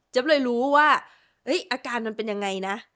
เลยรู้ว่าอาการมันเป็นยังไงนะ